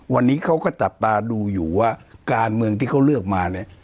วันนี้เขาก็จับตาดูอยู่ว่าการเมืองที่เขาเลือกมาเนี่ย